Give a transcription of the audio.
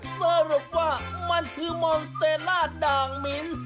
สรุปว่ามันคือมอนสเตรล่าด่างมิ้น